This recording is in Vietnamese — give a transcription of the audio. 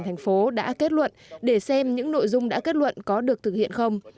thành phố đã kết luận để xem những nội dung đã kết luận có được thực hiện không